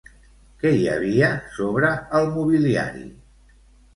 Què hi havia sobre el mobiliari?